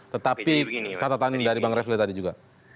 tetapi kata kata dari bang refli tadi juga